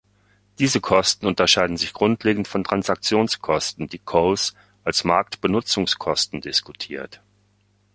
Diese Kosten unterscheiden sich grundlegend von Transaktionskosten, die Coase als Markt"benutzungs"kosten diskutiert.